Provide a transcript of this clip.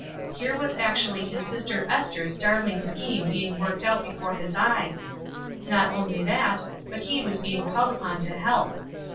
Here was actually his sister Ester's darling scheme being worked out before his eyes! Not only that, but he was being called upon to help.